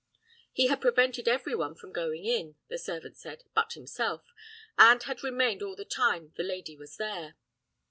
He had prevented every one from going in, the servant said, but himself, and had remained all the time the lady was there.